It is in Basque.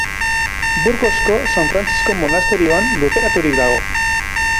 Burgosko San Frantzisko monasterioan lurperaturik dago.